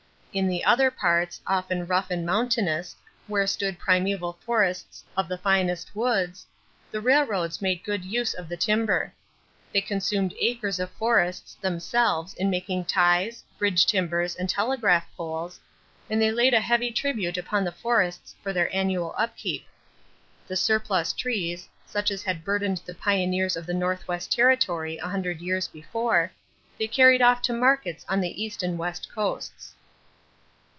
In the other parts, often rough and mountainous, where stood primeval forests of the finest woods, the railroads made good use of the timber. They consumed acres of forests themselves in making ties, bridge timbers, and telegraph poles, and they laid a heavy tribute upon the forests for their annual upkeep. The surplus trees, such as had burdened the pioneers of the Northwest Territory a hundred years before, they carried off to markets on the east and west coasts.